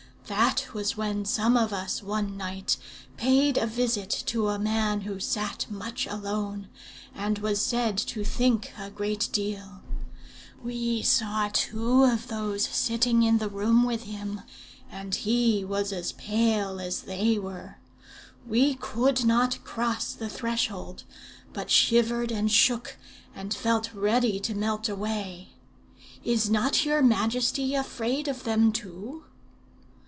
That was when some of us one night paid a visit to a man who sat much alone, and was said to think a great deal. We saw two of those sitting in the room with him, and he was as pale as they were. We could not cross the threshold, but shivered and shook, and felt ready to melt away. Is not your majesty afraid of them too?"